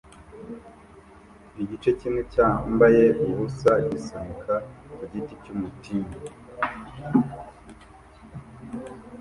Igice kimwe cyambaye ubusa gisunika ku giti cyumutini